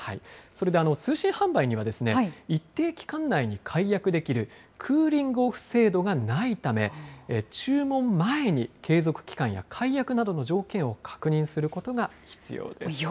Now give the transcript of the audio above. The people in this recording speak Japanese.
それで、通信販売には、一定期間内に解約できるクーリング・オフ制度がないため、注文前に継続期間や解約などの条件を確認することが必要です。